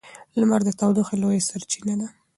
لمر د تودوخې لویه سرچینه ده.